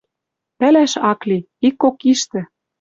Пӓлӓш ак ли. Ик-кок иштӹ